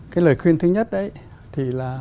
cái lời khuyên thứ nhất ấy thì là